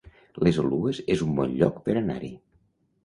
Les Oluges es un bon lloc per anar-hi